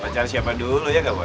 pacar siapa dulu ya gak mau